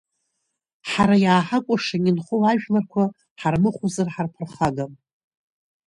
Ҳара иааҳакәыршан инхо ажәларқәа ҳармыхәозар ҳарԥырхагам.